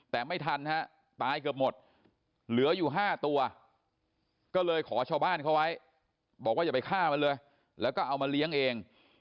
แต่ไม่ทันฮะตายเกือบหมดเหลืออยู่๕ตัวก็เลยขอชาวบ้านเขาไว้บอกว่าอย่าไปฆ่ามันเลยแล้วก็เอามาเลี้ยงเอง